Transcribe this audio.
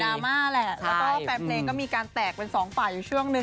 มาแหละแล้วก็แฟนเพลงก็มีการแตกเป็นสองฝ่ายอยู่ช่วงนึง